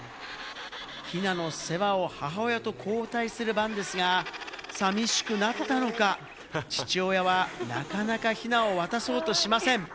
ヒナの世話を母親と交代する番ですが、寂しくなったのか父親はなかなか、ひなを渡そうとしません。